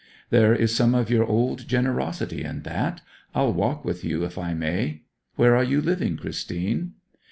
'There is some of your old generosity in that. I'll walk with you, if I may. Where are you living, Christine?'